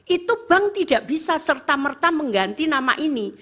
itu bank tidak bisa serta merta mengganti nama ini